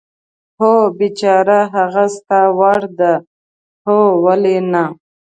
هو، بېچاره، هغه ستا وړ ده؟ هو، ولې نه.